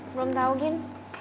belum tau gin